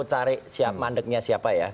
cari mandeknya siapa ya